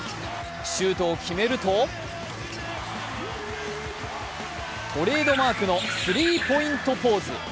シュートを決めるとトレードマークのスリーポイントポーズ。